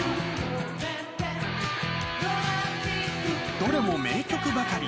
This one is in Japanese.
どれも名曲ばかり。